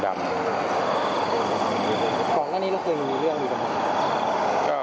ของแรกนี้เคยมีเรื่องอยู่กันไหม